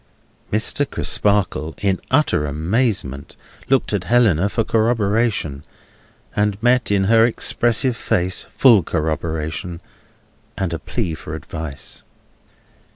Mr. Crisparkle, in utter amazement, looked at Helena for corroboration, and met in her expressive face full corroboration, and a plea for advice.